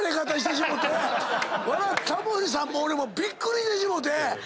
タモリさんも俺もびっくりしてしもうて。